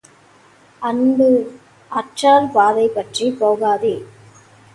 அன்பு அற்றார் பாதை பற்றிப் போகாதே.